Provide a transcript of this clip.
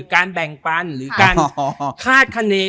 การแบ่งปันหรือการคาดคณี